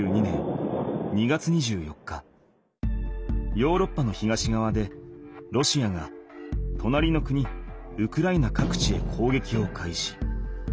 ヨーロッパの東がわでロシアがとなりの国ウクライナ各地へ攻撃を開始。